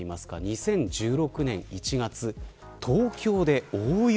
２０１６年１月、東京で大雪。